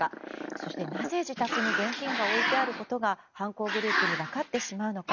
そしてなぜ、自宅に現金が置いてあることが犯行グループに分かってしまうのか。